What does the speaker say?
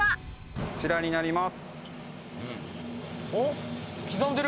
こちらになります。